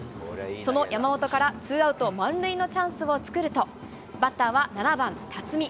その山本からツーアウト満塁のチャンスを作ると、バッターは７番辰己。